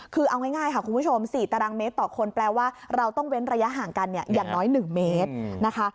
คือเอาง่ายค่ะคุณผู้ชม๔ตารางเมตรต่อคนแปลว่าเราต้องเว้นระยะห่างกันเนี่ยอย่างน้อย๑เมตรนะคะ